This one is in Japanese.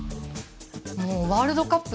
もうワールドカップ。